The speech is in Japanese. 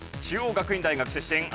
中央学院大学出身。